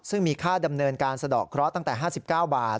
ซึ่งมีค่าดำเนินการสะดอกเคราะห์ตั้งแต่๕๙บาท